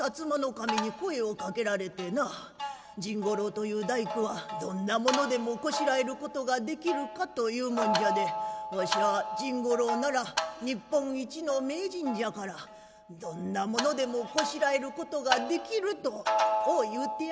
守に声をかけられてな甚五郎という大工はどんなものでもこしらえることができるかと言うもんじゃでわしゃ甚五郎なら日本一の名人じゃからどんなものでもこしらえることができるとこう言うてやったんじゃ。